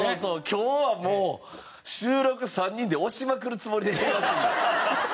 今日はもう収録を３人で押しまくるつもりで来てますんで。